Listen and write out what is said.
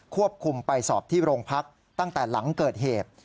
คุมไปสอบที่โรงพักตั้งแต่หลังเกิดเหตุ